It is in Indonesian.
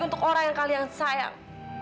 untuk orang yang kalian sayang